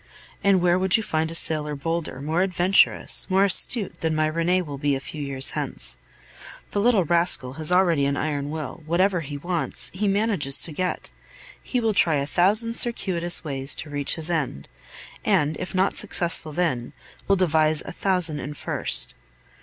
And where would you find a sailor bolder, more adventurous, more astute than my Rene will be a few years hence? The little rascal has already an iron will, whatever he wants he manages to get; he will try a thousand circuitous ways to reach his end, and if not successful then, will devise a thousand and first.